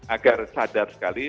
agar sadar sekali